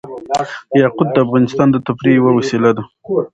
یاقوت د افغانانو د تفریح یوه وسیله ده.